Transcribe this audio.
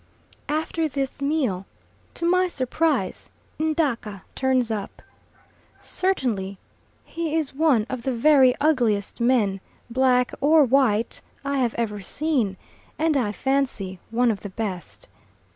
After this meal, to my surprise Ndaka turns up. Certainly he is one of the very ugliest men black or white I have ever seen, and I fancy one of the best.